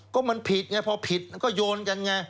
ก็เหมือนผิดไงพอผิดก็โยนกันไง